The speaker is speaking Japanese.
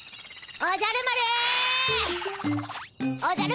おじゃる丸？